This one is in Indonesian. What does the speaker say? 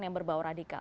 yang berbau radikal